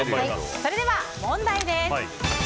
それでは問題です。